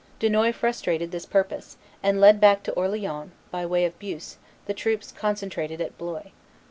Dunois frustrated this purpose, and led back to Orleans, by way of Beauce, the troops concentrated at Blois.